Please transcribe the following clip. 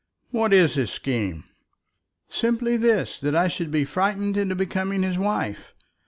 "What is his scheme?" "Simply this that I should be frightened into becoming his wife.